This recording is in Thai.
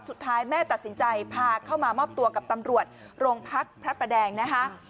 สุดท้ายแม่ตัดสินใจพาเข้ามามอบตัวกับตำรวจโรงพักพระประแดงนะคะ